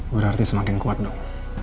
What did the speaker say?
berarti semakin kuat dong